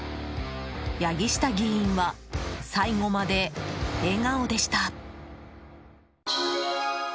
八木下議員は最後まで笑顔でした。